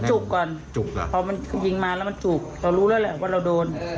จุกก่อนจุกล่ะพอมันยิงมาแล้วมันจุกเรารู้แล้วแหละว่าเราโดน